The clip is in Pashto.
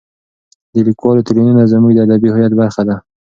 د لیکوالو تلینونه زموږ د ادبي هویت برخه ده.